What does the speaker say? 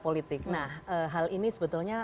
politik nah hal ini sebetulnya